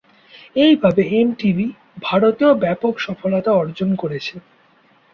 এইভাবে এমটিভি ভারতেও ব্যাপক সফলতা অর্জন করেছে।